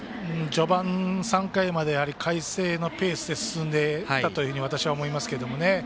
序盤、３回まで海星のペースで進んでいたと私は思いますけどね。